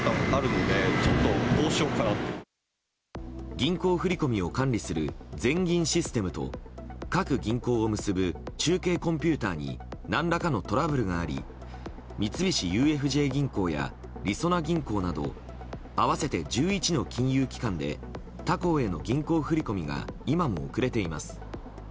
銀行振り込みを管理する全銀システムと各銀行を結ぶ中継コンピューターに何らかのトラブルがあり三菱ＵＦＪ銀行やりそな銀行など合わせて１１の金融機関で他行への銀行振り込みが今も遅れています。